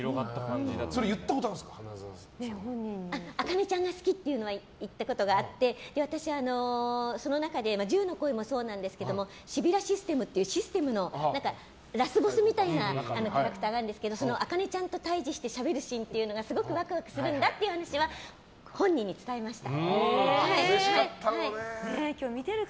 朱ちゃんが好きっていうのは言ったことがあって私、その中で銃の声もそうなんですけどシビラシステムっていうシステムのラスボスみたいなキャラクターがあるんですけど朱ちゃんと対峙してしゃべるシーンが、すごくワクワクするんだっていうのは話は本人に伝えました。